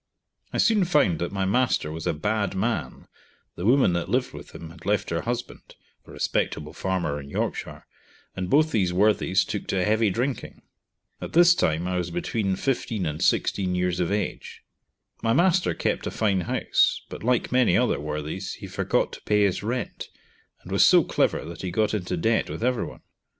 I soon found that my master was a bad man, the woman that lived with him had left her husband (a respectable farmer in Yorkshire), and both these worthies took to heavy drinking. At this time I was between 15 and 16 years of age. My master kept a fine house, but like many other worthies, he forgot to pay his rent, and was so clever that he got into debt with everyoue.